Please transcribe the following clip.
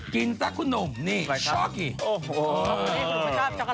กินซะคุณหนุ่มนี่ช็อกกี้